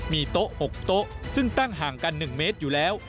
มีโต๊ะ๖โต๊ะซึ่งตั้งห่างกัน๑เมตรอยู่แล้ว